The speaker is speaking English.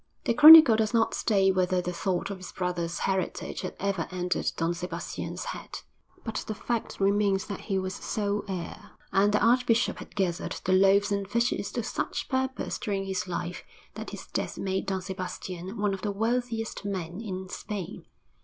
VII The chronicle does not state whether the thought of his brother's heritage had ever entered Don Sebastian's head; but the fact remains that he was sole heir, and the archbishop had gathered the loaves and fishes to such purpose during his life that his death made Don Sebastian one of the wealthiest men in Spain.